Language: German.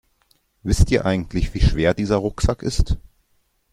Wisst ihr eigentlich, wie schwer dieser Rucksack ist?